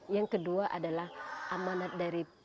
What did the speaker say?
yang kedua adalah amanat dari